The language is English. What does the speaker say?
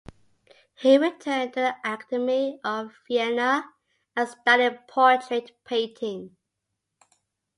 He returned to the Academy of Vienna and studied portrait painting.